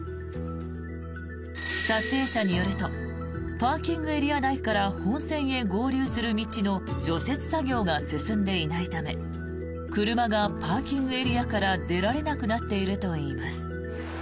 撮影者によるとパーキングエリア内から本線へ合流する道の除雪作業が進んでいないため車がパーキングエリアから出られなくなっているといいます。